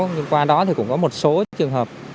nhưng qua đó thì cũng có một số trường hợp